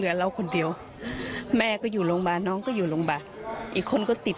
เนื่องจากนี้ไปก็คงจะต้องเข้มแข็งเป็นเสาหลักให้กับทุกคนในครอบครัว